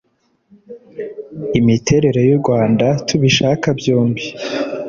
Imiterere y’u Rwanda tubishaka byombi